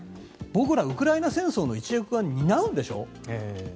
僕ら、ウクライナ戦争の一翼を担うんでしょ。